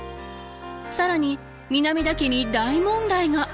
更に南田家に大問題が！